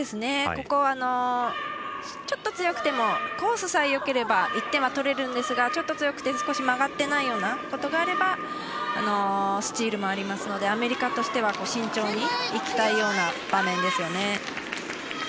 ここ、ちょっと強くてもコースさえよければ１点は取れるんですがちょっと強くて少し曲がっていないようなことがあればスチールもあるのでアメリカとしては慎重にいきたいような場面ですね。